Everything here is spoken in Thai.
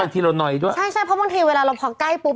ทีละหน่อยด้วยใช่ใช่เพราะบางทีเวลาเราพอใกล้ปุ๊